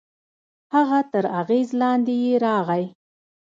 هغه تر اغېز لاندې يې راغی.